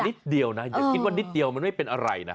นิดเดียวนะอย่าคิดว่านิดเดียวมันไม่เป็นอะไรนะ